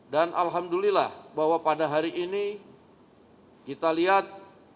dan alhamdulillah bahwa pada hari ini kita lihat